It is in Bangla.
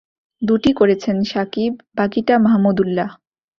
দুটি করেছেন সাকিব, বাকিটা মাহমুদউল্লাহ।